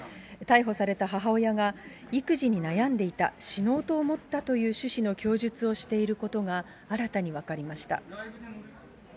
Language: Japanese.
逮捕された母親が、育児に悩んでいた、死のうと思ったという趣旨の供述をしていることが新たに分かりました。